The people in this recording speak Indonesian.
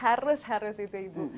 harus harus itu ibu